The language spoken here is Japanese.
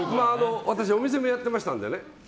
私、お店もやってましたのでね